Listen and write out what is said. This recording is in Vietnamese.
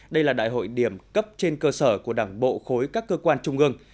đây là đại hội điểm cấp trên cơ sở của đảng bộ khối các cơ quan trung ương